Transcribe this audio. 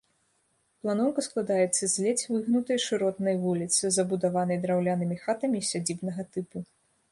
Планоўка складаецца з ледзь выгнутай шыротнай вуліцы, забудаванай драўлянымі хатамі сядзібнага тыпу.